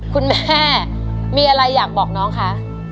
คุณแม่มีอะไรอยากบอกน้องคะ